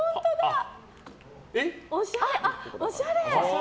おしゃれ！